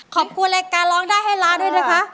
ขอบคุณรายการร้องได้ให้ล้านด้วยนะคะ